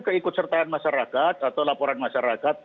keikutsertaan masyarakat atau laporan masyarakat